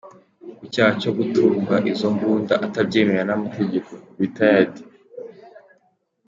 Ku cyaha cyo gutunga izo mbunda atabyemerewe n’amategeko, Rtd.